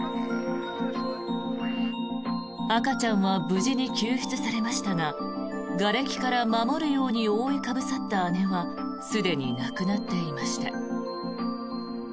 赤ちゃんは無事に救出されましたががれきから守るように覆いかぶさった姉はすでに亡くなっていました。